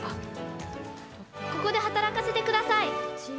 ここで働かせてください。